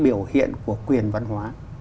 biểu hiện của quyền văn hóa